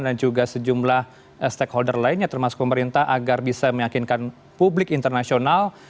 dan juga sejumlah stakeholder lainnya termasuk pemerintah agar bisa meyakinkan publik internasional